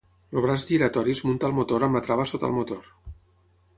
El braç giratori es munta al motor amb la trava sota el motor.